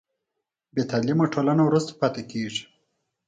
بې تعلیمه ټولنه وروسته پاتې کېږي.